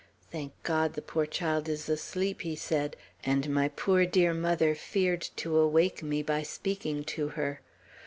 "Thank God, the poor child is asleep!" he said; "and my poor dear mother feared to awake me by speaking to her!